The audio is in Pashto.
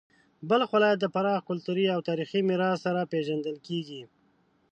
بلخ ولایت د پراخ کلتوري او تاریخي میراث سره پیژندل کیږي.